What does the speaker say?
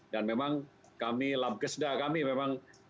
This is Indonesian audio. dan memang kami lab gesda kami memang